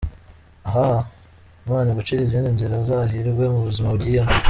???ahaaaaa!!!!!!! Imana Igucire izindi nzira uzahirwe mu buzima ugiyemo.